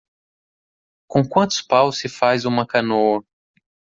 Com quantos paus se faz uma canoa?